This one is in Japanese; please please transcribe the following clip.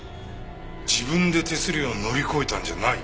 自分で手すりを乗り越えたんじゃない？